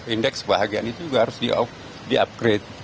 indeks kebahagiaan itu juga harus di upgrade